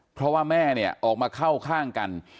เพราะว่าแม่เนี่ยออกมาเข้าข้างกัน